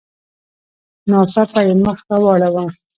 ناڅاپه یې مخ را واړاوه.